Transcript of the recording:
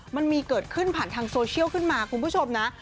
มันมีเกิดขึ้นผ่านทางโซเชียลขึ้นมาคุณผู้ชมนะ